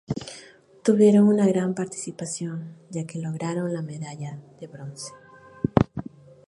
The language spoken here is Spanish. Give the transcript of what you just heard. Tuvieron una gran participación, ya que lograron la medalla de bronce.